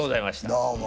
どうも。